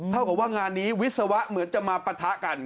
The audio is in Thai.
เท่ากับว่างานนี้วิศวะเหมือนจะมาปะทะกัน